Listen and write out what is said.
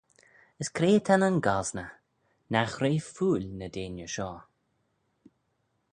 As cre ta nyn gosney? Nagh re fuill ny deiney shoh?